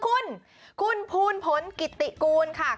คุณคุณภูลผลกิติกูลค่ะ